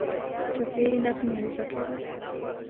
ټپي نغمې ږغوي